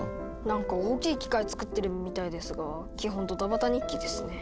なんか大きい機械つくってるみたいですが基本ドタバタ日記ですね。